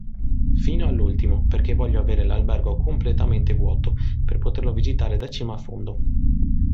Fino all'ultimo, perché voglio avere l'albergo completamente vuoto, per poterlo visitare da cima a fondo.